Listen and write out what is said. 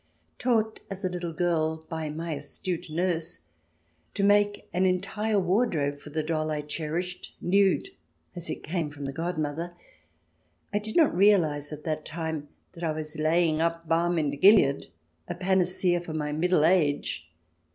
Taught, as a little girl, by my astute nurse to make an entire wardrobe for the doll I cherished, nude as it came from the godmother, I did not realize at that time that I was laying up balm in Gilead, a panacea for my middle age.